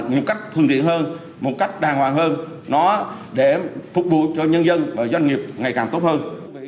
những cách thường thiện hơn một cách đàng hoàng hơn nó để phục vụ cho nhân dân và doanh nghiệp ngày càng tốt hơn